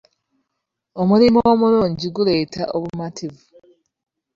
Omulimu omulungi guleeta obumativu.